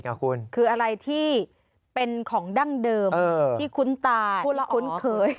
คืออะไรที่เป็นของดั้งเดิมที่คุ้นตาคุ้นเคย